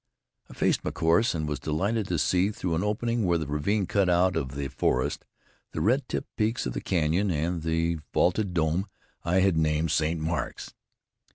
I faced my course, and was delighted to see, through an opening where the ravine cut out of the forest, the red tipped peaks of the canyon, and the vaulted dome I had named St. Marks.